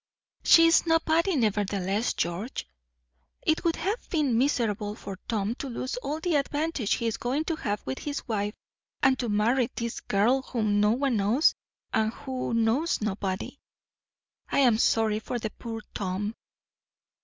"She is nobody, nevertheless, George! It would have been miserable for Tom to lose all the advantage he is going to have with his wife, and to marry this girl whom no one knows, and who knows nobody." "I am sorry for poor Tom!"